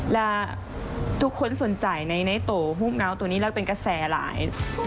และทุกคนสนใจในโตฮูบเงาตัวนี้แล้วเป็นกระแสหลาย